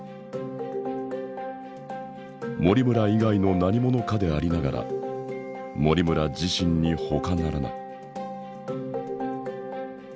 森村以外の何者かでありながら森村自身にほかならない。